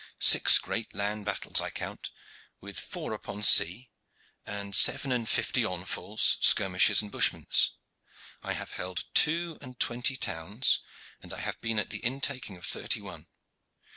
Six great land battles I count, with four upon sea, and seven and fifty onfalls, skirmishes and bushments. I have held two and twenty towns, and I have been at the intaking of thirty one.